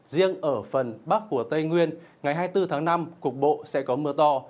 riêng ở phần bắc của tây nguyên ngày hai mươi bốn tháng năm cục bộ sẽ có mưa to